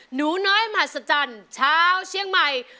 หนูน้อยมหัศจรรย์ชาวเชียงใหม่